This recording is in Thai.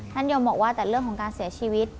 ยมบอกว่าแต่เรื่องของการเสียชีวิต